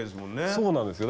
そうなんですよ。